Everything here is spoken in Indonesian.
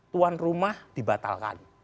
tuan rumah dibatalkan